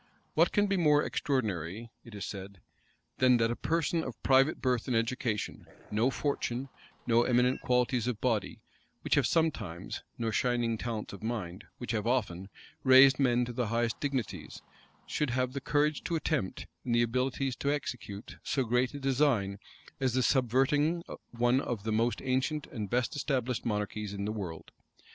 "What can be more extraordinary," it is said,[*] "than that a person of private birth and education, no fortune, no eminent qualities of body, which have sometimes, nor shining talents of mind, which have often, raised men to the highest dignities, should have the courage to attempt, and the abilities to execute, so great a design as the subverting one of the most ancient and best established monarchies in the world?